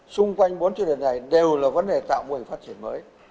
xung quanh bốn chuyên đề này đều là vấn đề tạo mô hình phát triển mới